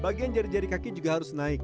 bagian jari jari kaki juga harus naik